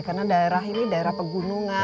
karena daerah ini daerah pegunungan